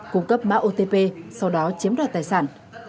cung cấp mã otp sau đó chiếm đoạt tài sản